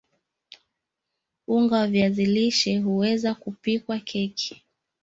unga wa viazi lishe huweza kupikwa keki